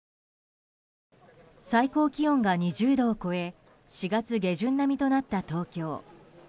最高気温が２０度を超え４月下旬並みとなった東京。